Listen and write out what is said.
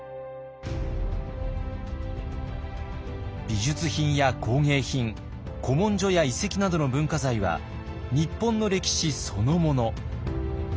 美術品や工芸品古文書や遺跡などの文化財は日本の歴史そのもの。